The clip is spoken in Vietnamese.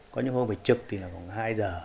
có những hôm về trực thì là khoảng hai h